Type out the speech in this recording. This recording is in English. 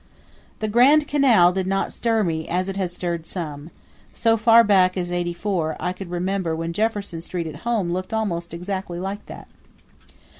The Grand Canal did not stir me as it has stirred some so far back as '84 I could remember when Jefferson Street at home looked almost exactly like that.